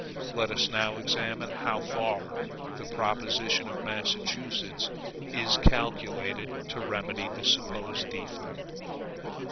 Let us now examine how far the proposition of Massachusetts is calculated to remedy the supposed defect.